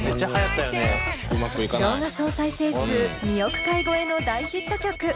動画総再生数２億回超えの大ヒット曲